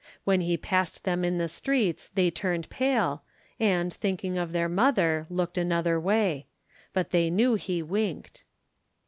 When he passed them in the streets, they turned pale, and, thinking of their mother, looked another way. But they knew he winked.